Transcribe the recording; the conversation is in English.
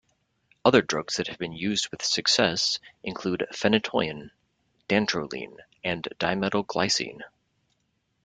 Other drugs that have been used with success include phenytoin, dantrolene, and dimetyl glycine.